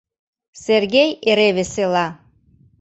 Сергей эре весела.